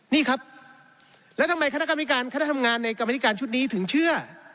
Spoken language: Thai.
นี่ครับแล้วทำไมคณะการพิการเครื่องผลงานในคณะพิการชุดนี้ถึงเชื่อ